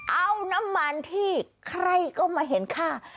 เอาน้ำมันที่ใครก็มาเห็นค่า